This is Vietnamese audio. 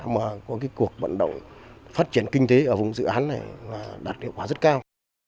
mà có cái cuộc vận động phát triển kinh tế ở vùng dự án này là đạt hiệu quả rất cao